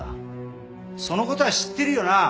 そのことは知ってるよな？